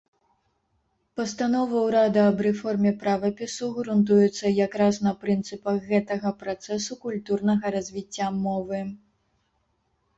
Пастанова ўрада аб рэформе правапісу грунтуецца якраз на прынцыпах гэтага працэсу культурнага развіцця мовы.